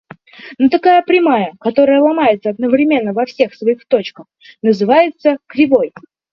Но такая прямая, которая ломается одновременно во всех своих точках, называется кривой.